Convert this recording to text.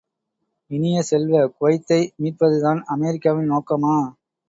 இனிய செல்வ, குவைத்தை மீட்பதுதான் அமெரிக்காவின் நோக்கமா?